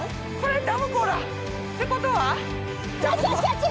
これダム湖だってことは？